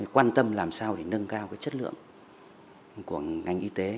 quan tâm làm sao để nâng cao chất lượng của ngành y tế